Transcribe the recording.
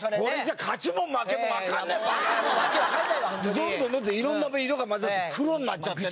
どんどんどんどんいろんな色が混ざって黒になっちゃってね。